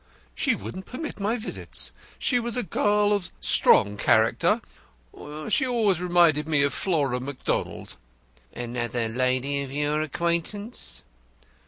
She wouldn't permit my visits. She was a girl of strong character. She always reminded me of Flora Macdonald." "Another lady of your acquaintance?"